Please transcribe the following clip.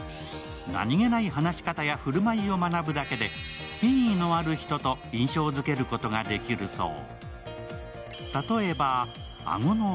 何気ない話し方や振る舞いを学ぶことで、品位のある人と印象づけることができるそう。